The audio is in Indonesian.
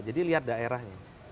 jadi lihat daerahnya